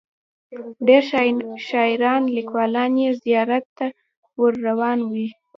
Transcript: ډیر شاعران لیکوالان یې زیارت ته ور روان وي.